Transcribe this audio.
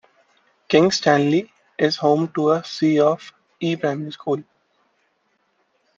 King's Stanley is home to a C of E Primary School.